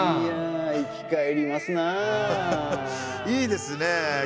いいですねえ。